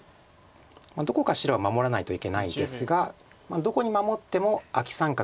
どこか白は守らないといけないですがどこに守ってもアキ三角。